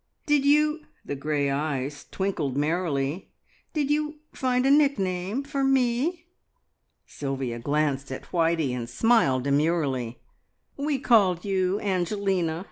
Did you," the grey eyes twinkled merrily "did you find a nickname for me?" Sylvia glanced at Whitey and smiled demurely. "We called you Angelina.